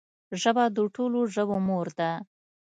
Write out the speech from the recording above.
ژبه د ټولو ژبو مور ده